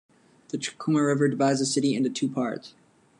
The Chikuma River divides the city into two parts.